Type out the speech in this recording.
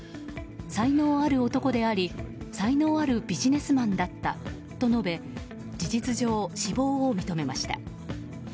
才能ある男であり才能あるビジネスマンだったと述べ事実上、死亡を認めました。